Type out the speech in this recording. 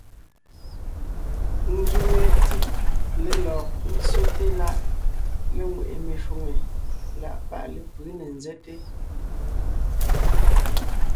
Ńzẅíŋe TIC lélɔg ńtsóte láʼ léŋweʼe meshwóŋè láʼ páʼ lepʉ̌ ne ńzɛ́te.